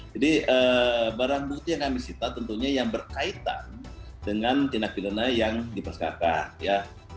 jadi barang bukti yang kami cita tentunya yang berkaitan dengan tindak pidana yang dipersyakakan